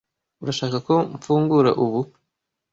Urashaka ko mfungura ubu?